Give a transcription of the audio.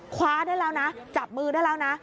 คว้าได้แล้วนะจับมือได้แล้วนะ